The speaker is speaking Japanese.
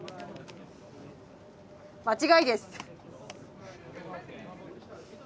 間違いです。